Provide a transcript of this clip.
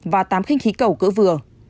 và tám khinh khí cầu cỡ vừa